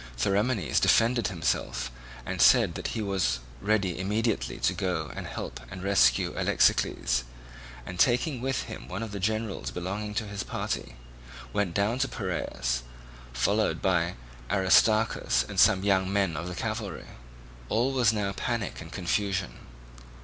Theramenes defended himself, and said that he was ready immediately to go and help to rescue Alexicles; and taking with him one of the generals belonging to his party, went down to Piraeus, followed by Aristarchus and some young men of the cavalry. All was now panic and confusion.